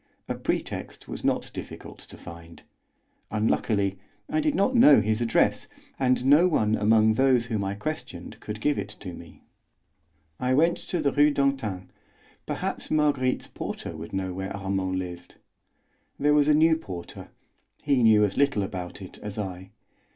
A pretext was not difficult to find; unluckily I did not know his address, and no one among those whom I questioned could give it to me. I went to the Rue d'Antin; perhaps Marguerite's porter would know where Armand lived. There was a new porter; he knew as little about it as I.